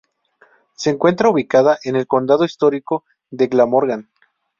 Se encuentra ubicada en el condado histórico de Glamorgan.